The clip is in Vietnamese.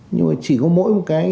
nhưng mà chỉ có mỗi một cái